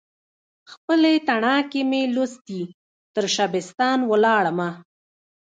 خپلې تڼاکې مې لوستي، ترشبستان ولاړمه